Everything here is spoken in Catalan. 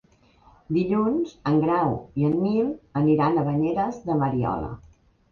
Dilluns en Grau i en Nil aniran a Banyeres de Mariola.